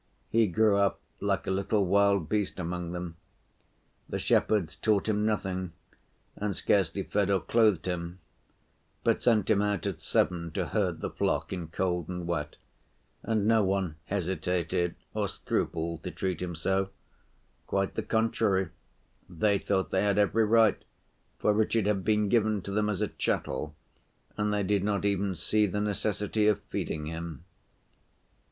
He grew up like a little wild beast among them. The shepherds taught him nothing, and scarcely fed or clothed him, but sent him out at seven to herd the flock in cold and wet, and no one hesitated or scrupled to treat him so. Quite the contrary, they thought they had every right, for Richard had been given to them as a chattel, and they did not even see the necessity of feeding him.